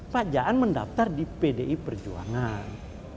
pak jaan mendaftar di pdi perjuangan